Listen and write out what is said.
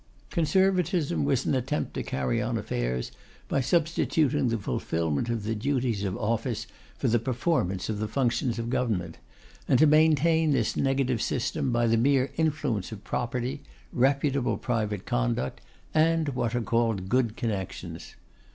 Conservatism was an attempt to carry on affairs by substituting the fulfilment of the duties of office for the performance of the functions of government; and to maintain this negative system by the mere influence of property, reputable private conduct, and what are called good connections.